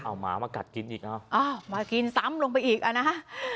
เอาหมามากัดกินอีกเอามากินซ้ำลงไปอีกอ่ะนะฮะ